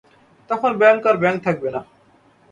তখন ব্যাংক আর ব্যাংক থাকবে না।